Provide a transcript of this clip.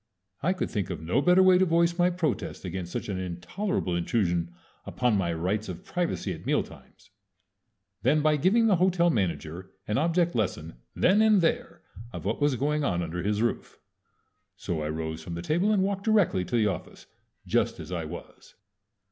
I could think of no better way to voice my protest against such an intolerable intrusion upon my rights of privacy at mealtimes than by giving the hotel manager an object lesson then and there of what was going on under his roof. So I rose from the table and walked directly to the office just as I was.